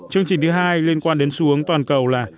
chương trình thứ hai liên quan đến xu hướng toàn cầu là